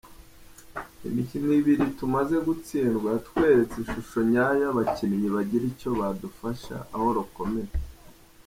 Imikino ibiri tumaze gutsindwa yatweretse ishusho nyayo y’abakinnyi bagira icyo badufasha aho rukomeye.